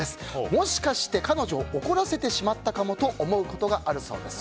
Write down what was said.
もしかして彼女を怒らせてしまったかもと思うことがあるそうです。